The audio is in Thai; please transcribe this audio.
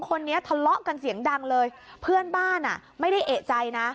คนนี้ทะเลาะกันเสียงดังเลยเพื่อนบ้านอ่ะไม่ได้เอกใจนะ